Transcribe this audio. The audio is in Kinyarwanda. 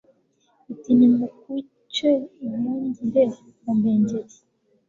Iti « nimukuce impungire mu mpengeri,